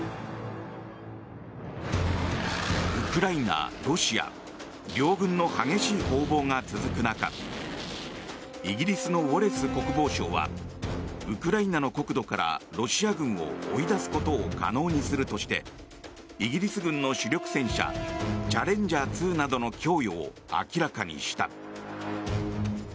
ウクライナ、ロシア両軍の激しい攻防が続く中イギリスのウォレス国防相はウクライナの国土からロシア軍を追い出すことを可能にするとしてイギリス軍の主力戦車チャレンジャー２などの供与を明らかにした。